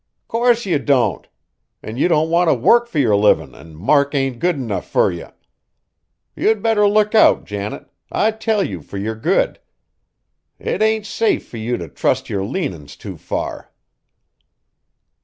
"Course you don't! An' you don't want t' work fur your livin', an' Mark ain't good enough fur you. You'd better look out, Janet, I tell you fur your good, it ain't safe fur you t' trust yer leanin's too far."